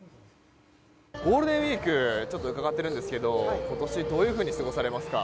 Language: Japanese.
ゴールデンウィーク伺っているんですが今年どういうふうに過ごされますか。